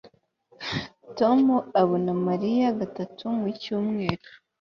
Tom abona Mariya gatatu mu cyumweru